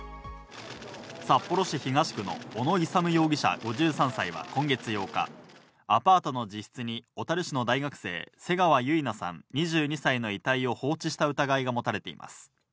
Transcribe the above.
札幌市東区の小野勇容疑者、５３歳は今月８日、アパートの自室に小樽市の大学生・瀬川結菜さん２２歳の遺体を放置した疑いが持たれています。